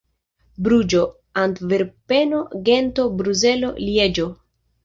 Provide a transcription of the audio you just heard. Bruĝo, Antverpeno, Gento, Bruselo, Lieĝo.